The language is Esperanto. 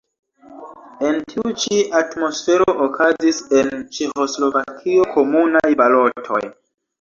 En tiu ĉi atmosfero okazis en Ĉeĥoslovakio komunaj balotoj.